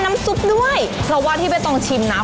ของการเปิดร้านอาหารคันแรกของเจมนท์เท่านั้น